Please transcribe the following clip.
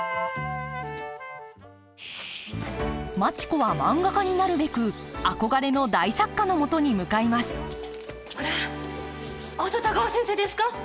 マチ子は漫画家になるべく憧れの大作家のもとに向かいますあんた田河先生ですか？